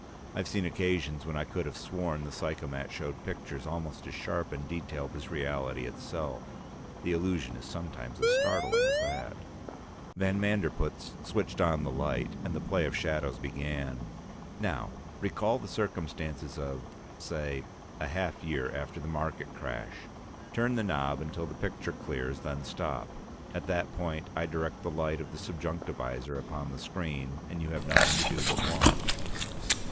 I've seen occasions when I could have sworn the psychomat showed pictures almost as sharp and detailed as reality itself; the illusion is sometimes as startling as that. Van Manderpootz switched on the light, and the play of shadows began. "Now recall the circumstances of, say, a half year after the market crash. Turn the knob until the picture clears, then stop. At that point I direct the light of the subjunctivisor upon the screen, and you have nothing to do but watch."